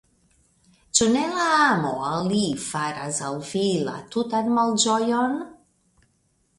Ĉu ne la amo al li faras al vi la tutan malĝojon?